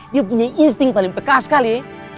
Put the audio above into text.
dia punya insting paling pekas kali ya